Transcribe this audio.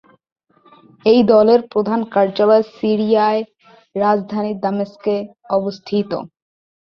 এই দলের প্রধান কার্যালয় সিরিয়ার রাজধানী দামেস্কে অবস্থিত।